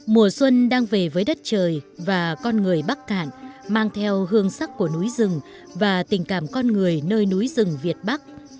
mùa xuân đang về với đất trời và con người bắc cạn mang theo hương sắc của núi rừng và tình cảm con người nơi núi rừng việt bắc